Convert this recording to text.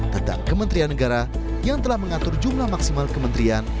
tentang kementerian negara yang telah mengatur jumlah maksimal kementerian